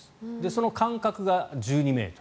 その間隔が１２ｍ。